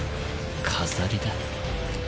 飾りだ。